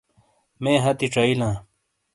مے ہَتی چائیلاں۔